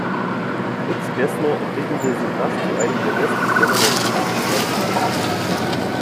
Fritz Gessner entwickelte sich rasch zu einem der besten Kenner der tropischen Pflanzenwelt.